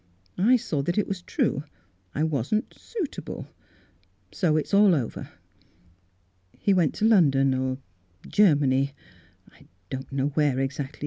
I saw that it was true. I wasn't — suitable. So it's all over. He went to London, or Ger many — I don't know where exactly.